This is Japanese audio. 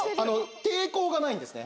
抵抗がないんですね。